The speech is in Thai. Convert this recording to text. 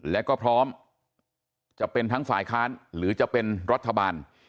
และก็พร้อมจะเป็นทั้งฝ่ายค้านหรือจะเป็นรัฐบาล